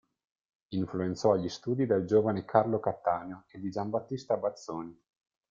Influenzò gli studi del giovane Carlo Cattaneo e di Giambattista Bazzoni.